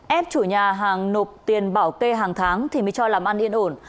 ép chủ nhà hàng nộp tiền bảo kê hàng tháng thì mới cho làm ăn yên ổn